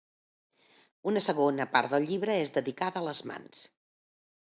Una segona part del llibre és dedicada a les mans.